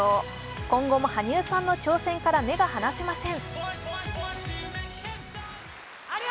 今後も羽生さんの挑戦から目が離せません。